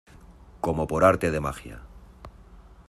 como por arte de magia.